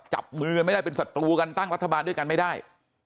จับมือกันไม่ได้เป็นศัตรูกันตั้งรัฐบาลด้วยกันไม่ได้